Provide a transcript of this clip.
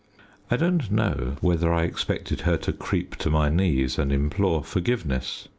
I don't know whether I expected her to creep to my knees and implore forgiveness.